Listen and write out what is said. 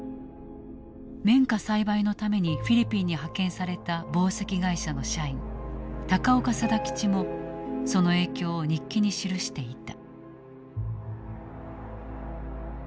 綿花栽培のためにフィリピンに派遣された紡績会社の社員高岡定吉もその影響を日記に記していた。